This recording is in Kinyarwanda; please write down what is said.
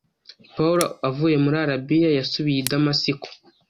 Pawulo avuye muri Arabiya “yasubiye i Damasiko”